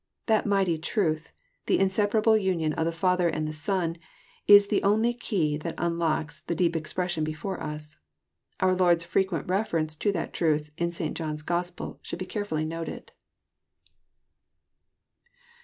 That mighty truth, — the insepa rable union of the Father and the Sou, — is the only key that unlocks the deep expression before us. Our Lord's frequent reference to that truth, in St. John's Gospel, should be carefully noted.